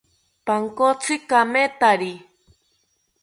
Pankotzi kamethari